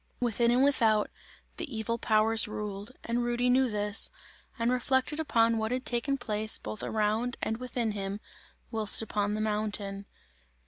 Within and without, the evil powers ruled, and Rudy knew this, and reflected upon what had taken place both around and within him, whilst upon the mountain.